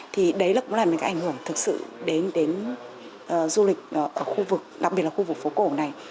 thì đấy cũng là những cái ảnh hưởng thực sự đến du lịch ở khu vực đặc biệt là khu vực phố cổ này